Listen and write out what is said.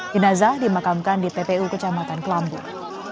jenazah dimakamkan di tpu kecamatan kelambung